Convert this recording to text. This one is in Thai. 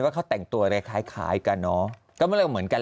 เขาแต่งตัวอะไรคล้ายกันเนอะก็ไม่รู้เหมือนกัน